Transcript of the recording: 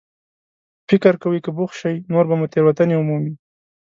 فکر کوئ که بوخت شئ، نور به مو تېروتنې ومومي.